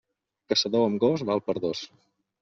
Caçador amb gos, val per dos.